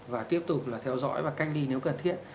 và tiếp tục là theo dõi và cách ly nếu cần thiết